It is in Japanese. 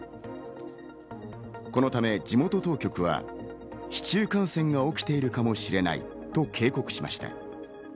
このため地元当局は市中感染が起きているかもしれないと警告しました。